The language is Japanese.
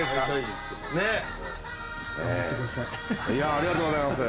ありがとうございます。